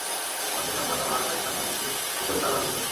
পরদিন সোমবার সকাল আটটায় স্থানীয় একটি পুকুরে তার লাশ ভেসে ওঠে।